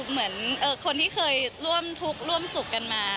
เหมือนคนที่เคยร่วมทุกข์ร่วมสุขกันมา